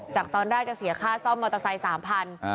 จากตอนแรกก็เสียค่าซ่อมมอเตอร์ไซค์๓๐๐บาท